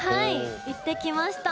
行ってきました。